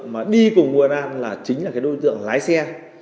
mà đi cùng nguồn an là chính là cái đối tượng lái xe